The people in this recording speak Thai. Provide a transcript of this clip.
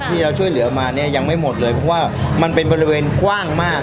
ที่เราช่วยเหลือมาเนี่ยยังไม่หมดเลยเพราะว่ามันเป็นบริเวณกว้างมาก